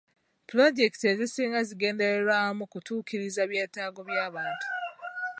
Pulojekiti ezisinga zigendereddwamu kutuukiriza byetaago by'abantu.